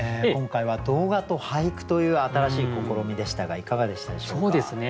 今回は動画と俳句という新しい試みでしたがいかがでしたでしょうか？